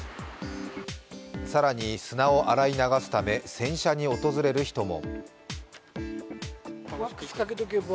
更に、砂を洗い流すため、洗車に訪れる人も。